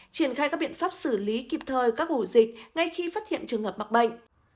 triển khai các biện pháp xử lý kịp thời các ổ dịch ngay khi phát hiện trường hợp mắc bệnh